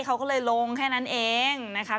เขาก็เลยลงแค่นั้นเองนะคะ